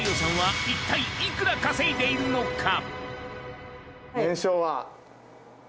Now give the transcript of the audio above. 一体いくら稼いでいるのか⁉Δ蓮。